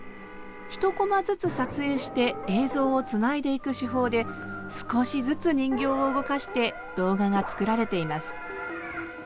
１コマずつ撮影して映像をつないでいく手法で少しずつ人形を動かして動画が作られています。